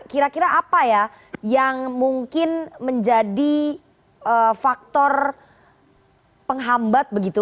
kira kira apa ya yang mungkin menjadi faktor penghambat begitu